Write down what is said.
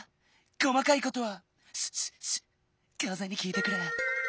こまかいことはシュッシュッシュかぜにきいてくれ。